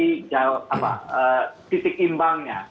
nah bagaimana menurut anda apa titik imbangnya